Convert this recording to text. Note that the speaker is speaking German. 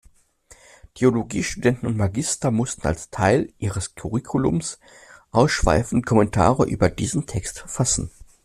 Theologiestudenten und -magister mussten als Teil ihres Curriculums ausschweifend Kommentare über diesen Text verfassen.